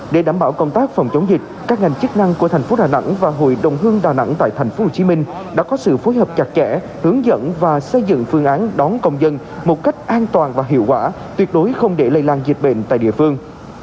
để đảm bảo công tác phòng chống dịch các ngành chức năng của thành phố đà nẵng và hội đồng hương đà nẵng tại tp hcm đã có sự phối hợp chặt chẽ hướng dẫn và xây dựng phương án đón công dân một cách an toàn và hiệu quả tuyệt đối không để lây lan dịch bệnh tại địa phương